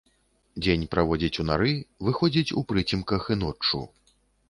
Дзень праводзіць у нары, выходзіць у прыцемках і ноччу.